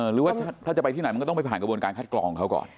หรือว่าถ้าจะไปที่ไหนมันก็ต้องไปผ่านกระบวนการคัดกรองเขาก่อน